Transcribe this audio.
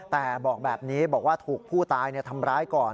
แต่บอกแบบนี้บอกว่าถูกผู้ตายทำร้ายก่อน